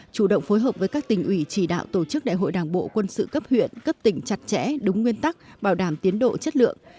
chủ động phối hợp với các tỉnh ủy chỉ đạo tổ chức đại hội đảng bộ quân sự cấp huyện cấp tỉnh chặt chẽ đúng nguyên tắc bảo đảm tiến độ chất lượng